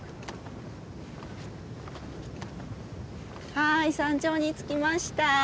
はい山頂に着きました。